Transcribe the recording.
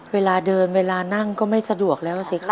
เวลาเดินเวลานั่งก็ไม่สะดวกแล้วสิคะ